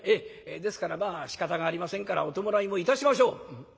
「ですからまあしかたがありませんからお葬式もいたしましょう」。